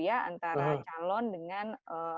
antara calon dengan